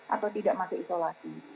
atau tidak masuk isolasi